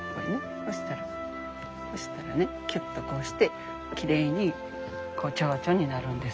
そしたらそしたらねきゅっとこうしてきれいにチョウチョになるんです。